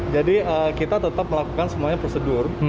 jadi kita tetap melakukan semuanya prosedur